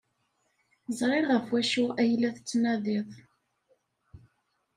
Ẓriɣ ɣef wacu ay la tettnadiḍ.